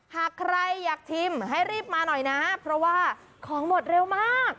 หากใครอยากชิมให้รีบมาหน่อยนะเพราะว่าของหมดเร็วมาก